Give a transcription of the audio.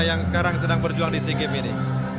yang sekarang sedang berjuang di sikim ini